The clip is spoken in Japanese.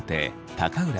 高浦